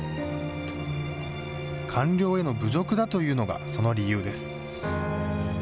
官僚への侮辱だというのがその理由です。